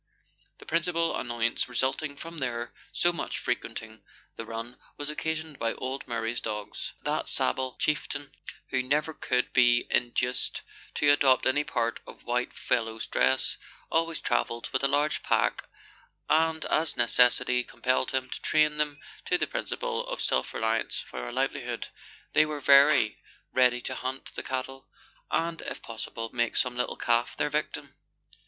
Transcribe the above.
The principal annoyance result ing from their so much frequenting the run was occasioned by old Murray's dogs. That sable chieftain, who never could be in duced to adopt any part of "whitefellow's" dress, always travelled with a large pack, and as necessity compelled him to train them to the principle of self reliance for a livelihood, they were very ready to hunt the cattle, and, if possible, make some little calf their victim.